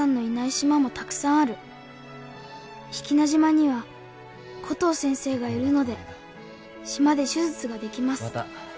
志木那島にはコトー先生がいるので島で手術ができます。